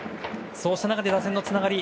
そうした中で打線のつながり